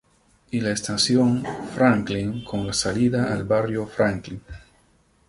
Y la estación Franklin con salida al Barrio Franklin.